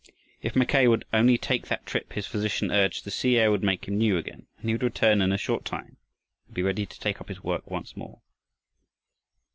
If Mackay would only take that trip, his physician urged, the sea air would make him new again, and he would return in a short time and be ready to take up his work once more.